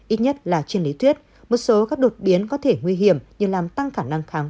ít nhất là trên lý thuyết một số các đột biến có thể nguy hiểm như làm tăng khả năng kháng